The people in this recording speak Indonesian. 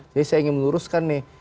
jadi saya ingin meluruskan